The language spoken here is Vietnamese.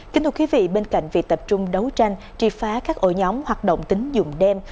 kính thưa quý vị bên cạnh việc tập trung đấu tranh tri phá các ổ nhóm hoạt động tín dụng đem